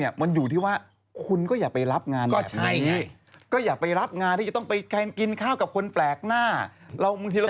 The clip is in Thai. อาจจะเป็นให้โซร